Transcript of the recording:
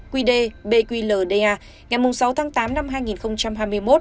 một trăm bốn mươi ba qd bqlda ngày sáu tháng tám năm hai nghìn hai mươi một